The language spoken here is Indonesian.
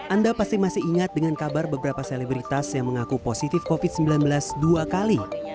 anda pasti masih ingat dengan kabar beberapa selebritas yang mengaku positif covid sembilan belas dua kali